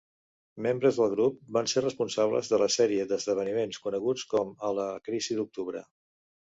Membres del grup van ser responsables de la sèrie d'esdeveniments coneguts com a la Crisi d'Octubre.